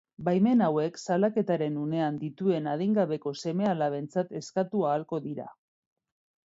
Baimena hauek salaketaren unean dituen adingabeko seme-alabentzat eskatu ahalko dira.